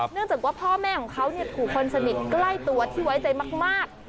เนื่องจากว่าพ่อแม่ของเขาถูกคนสนิทใกล้ตัวที่ไว้ใจมาก